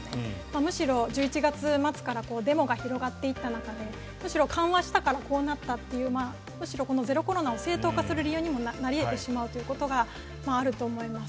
むしろ１１月末からデモが広がっていった中でむしろ緩和したからこうなったというゼロコロナを正当化する理由にもなり得てしまうということがあると思います。